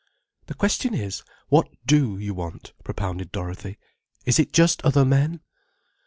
"The question is, what do you want," propounded Dorothy. "Is it just other men?"